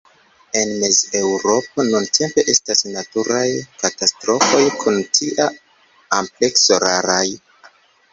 En Mez-Eŭropo nuntempe estas naturaj katastrofoj kun tia amplekso raraj.